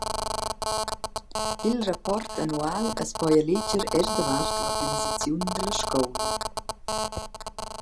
I’l rapport annual as poja leger eir davart l’organisaziun da la scoula.